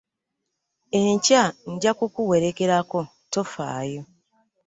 Enkya nja kukuwerekerako tofaayo.